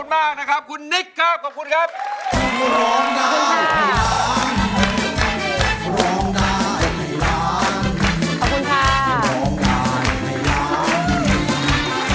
ร้องดาให้ร้านครับขอบคุณมากนะครับ